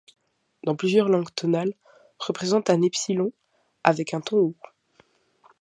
Dans plusieurs langues tonales, représente un epsilon avec un ton haut.